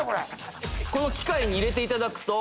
この機械に入れていただくと。